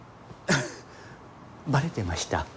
バレてました？